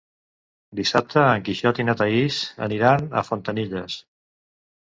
Dissabte en Quixot i na Thaís aniran a Fontanilles.